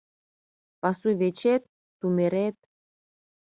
Пасувечет — тумерет